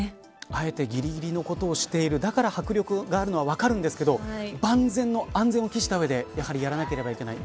あえてぎりぎりのことをしているだから迫力があるのは分かるんですけど万全の安全を期した上でやらなければいけない。